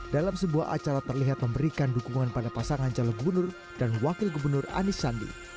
dalam sebuah acara terlihat memberikan dukungan pada pasangan calon gubernur dan wakil gubernur anies sandi